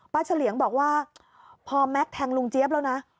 เฉลี่ยงบอกว่าพอแม็กซ์แทงลุงเจี๊ยบแล้วนะ